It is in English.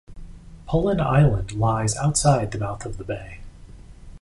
Pullen Island lies outside the mouth of the bay.